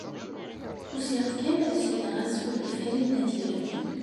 Usiɣ-d kan ad as-iniɣ azul i Farid n At Yiraten.